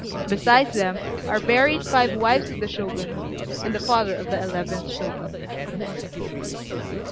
Besides them, are buried five wives of the Shoguns, and the father of the eleventh Shogun.